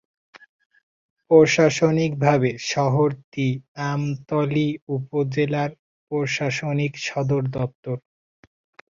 প্রশাসনিকভাবে শহরটি আমতলী উপজেলার প্রশাসনিক সদর দফতর।